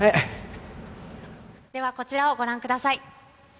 ではこちらをご覧ください。